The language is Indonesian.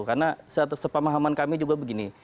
karena sepahamahaman kami juga begini